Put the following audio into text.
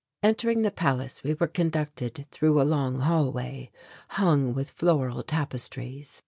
Entering the palace we were conducted through a long hall way hung with floral tapestries.